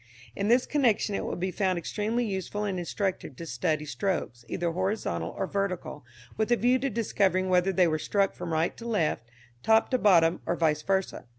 In this connection it will be found extremely useful and instructive to study strokes, either horizontal or vertical, with a view to discovering whether they were struck from right to left, top to bottom, or vice versâ.